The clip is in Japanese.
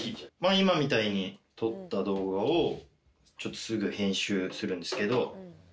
今みたいに撮った動画を、ちょっとすぐ、編集するんですけど。